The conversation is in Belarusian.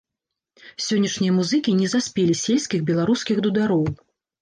Сённяшнія музыкі не заспелі сельскіх беларускіх дудароў.